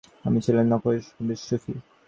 তিনি ছিলেন নকশবন্দি সুফি।